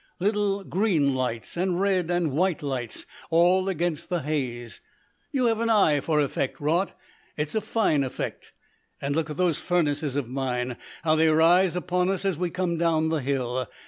"Little green lights and red and white lights, all against the haze. You have an eye for effect, Raut. It's a fine effect. And look at those furnaces of mine, how they rise upon us as we come down the hill.